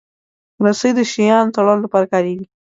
رسۍ د شیانو تړلو لپاره کارېږي.